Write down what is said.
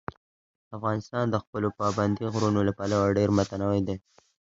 افغانستان د خپلو پابندي غرونو له پلوه ډېر متنوع دی.